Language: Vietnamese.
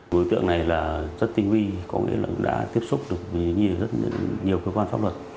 đối tượng này là rất tinh huy có nghĩa là đã tiếp xúc được với nhiều cơ quan pháp luật